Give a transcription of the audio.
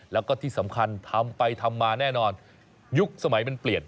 แล้วก็ที่สำคัญทำไปทำมาแน่นอนยุคสมัยมันเปลี่ยน